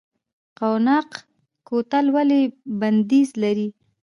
قوناق کوتل ولې بندیز لري؟